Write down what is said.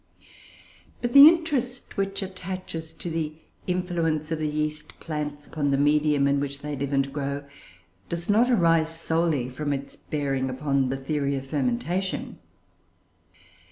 But the interest which attaches to the influence of the yeast plants upon the medium in which they live and grow does not arise solely from its bearing upon the theory of fermentation.